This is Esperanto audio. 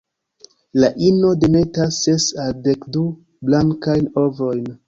La ino demetas ses al dekdu blankajn ovojn.